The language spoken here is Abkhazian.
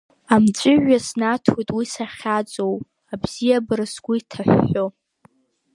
Амҵәыжәҩа снаҭоит уи сахьаҵоу, абзиабара сгәы иҭаҳәҳәо.